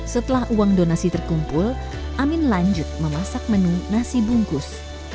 setelah uang donasi terkumpul amin lanjut memasak menu nasi bungkus